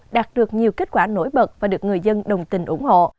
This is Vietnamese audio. đạt được nhiều kết quả nổi bật và được người dân đồng tình ủng hộ